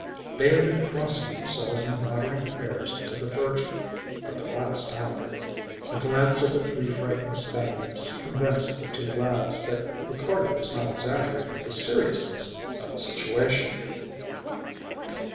They have been crossing themselves and muttering prayers to the Virgin for the last hour." A glance at the three frightened Spaniards convinced the two lads that McCarty was not exaggerating the seriousness of the situation.